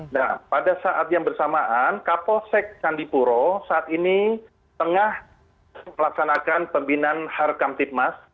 nah pada saat yang bersamaan kapolsek candipuro saat ini tengah melaksanakan pembinaan harkam tipmas